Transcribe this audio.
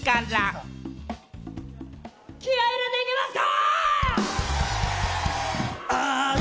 気合入れていきますか！